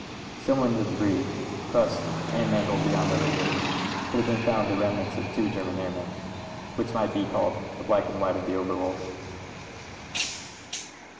Somewhere in the debris, crushed and man gled beyond recognition, could have been found the remnants of two German airmen. Which might be called the black and white of the ovefworld.